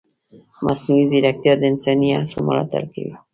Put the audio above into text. مصنوعي ځیرکتیا د انساني هڅو ملاتړ کوي.